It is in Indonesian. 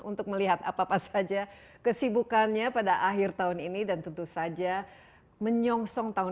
untuk melihat apa apa saja kesibukannya pada akhir tahun ini dan tentu saja menyongsong tahun dua ribu dua